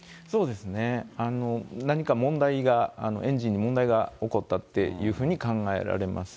何か問題が、エンジンに問題が起こったっていうふうに考えられます。